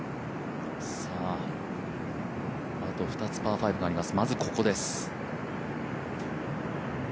あと２つ、パー５があります。